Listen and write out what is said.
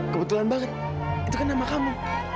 kebetulan banget itu kan nama kamu